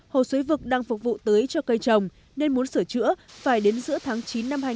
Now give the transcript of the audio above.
hồ suối vực đang phục vụ tới cho cây trồng nên muốn sửa chữa phải đến giữa tháng chín năm hai nghìn một mươi bảy